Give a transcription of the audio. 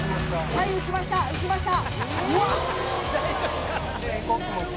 はい浮きました！